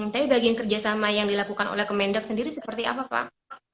tapi bagian kerjasama yang dilakukan oleh kemendak sendiri seperti apa pak